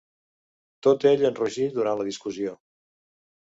Tot ell enrogí durant la discussió.